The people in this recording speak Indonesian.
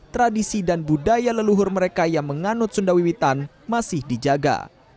tradisi dan budaya leluhur mereka yang menganut sunda wiwitan masih dijaga